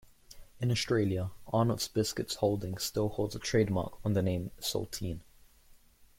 In Australia, Arnott's Biscuits Holdings still holds a trademark on the name "Saltine".